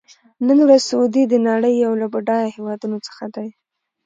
نن ورځ سعودي د نړۍ یو له بډایه هېوادونو څخه دی.